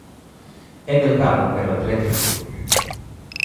É delgado, pero atlético.